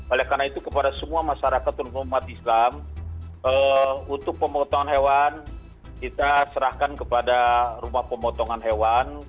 oleh karena itu kepada semua masyarakat terutama umat islam untuk pemotongan hewan kita serahkan kepada rumah pemotongan hewan